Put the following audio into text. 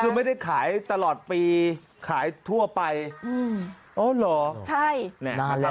คือไม่ได้ขายตลอดปีขายทั่วไปอ๋อเหรอใช่